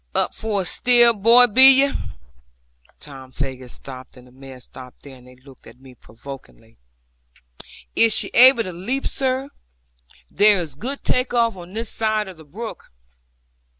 'Up for it still, boy, be ye?' Tom Faggus stopped, and the mare stopped there; and they looked at me provokingly. 'Is she able to leap, sir? There is good take off on this side of the brook.'